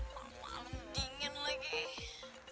malem malem dingin lagi